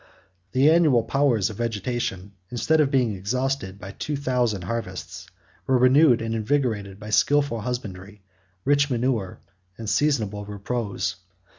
57 The annual powers of vegetation, instead of being exhausted by two thousand harvests, were renewed and invigorated by skilful husbandry, rich manure, and seasonable repose.